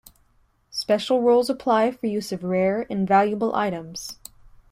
Special rules apply for use of rare and valuable items.